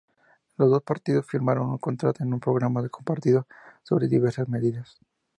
Los dos partidos firmaron un contrato en un programa compartido sobre diversas medidas.